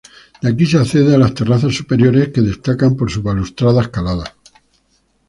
De aquí se accede a las terrazas superiores, que destacan por sus balaustradas caladas.